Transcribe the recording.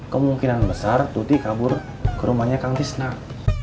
kemungkinan besar tuti kabur ke rumahnya kang tisnak